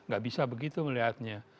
gak bisa begitu melihatnya